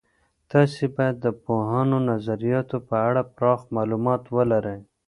تاسې باید د پوهاند نظریاتو په اړه پراخ معلومات ولرئ.